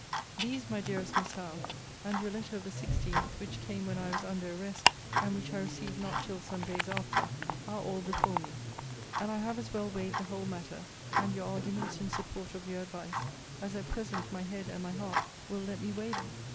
* See Letter XIV. ibid. Thse, my dearest Miss Howe; and your letter of the 16th,* which came when I was under arrest, and which I received not till some days after; are all before me. * See Letter X. of this volume. And I have as well weighed the whole matter, and your arguments in support of your advice, as at present my head and my heart will let me weigh them.